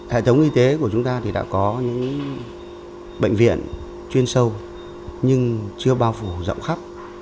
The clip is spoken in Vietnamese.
hệ thống y tế của chúng ta thì đã có những bệnh viện chuyên sâu nhưng chưa bao phủ rộng khắp